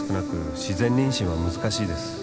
自然妊娠は難しいです